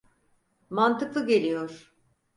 Mantıklı geliyor.